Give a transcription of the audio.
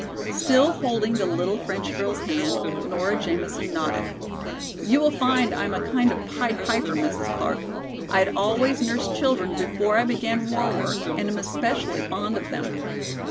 Still holding the little French girl's hand Nora Jamison nodded. "You will find I am a kind of Pied Piper, Mrs. Clark. I had always nursed children before I began war work and am especially fond of them."